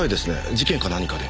事件か何かで？